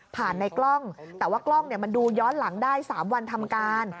ในกล้องแต่ว่ากล้องมันดูย้อนหลังได้๓วันทำการ